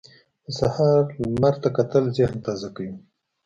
د سهار لمر ته کتل ذهن تازه کوي.